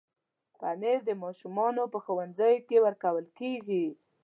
پنېر د ماشومانو په ښوونځیو کې ورکول کېږي.